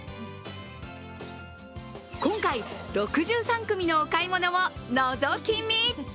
今回６３組のお買い物をのぞき見。